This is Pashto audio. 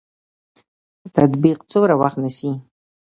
تطبیق څومره وخت نیسي؟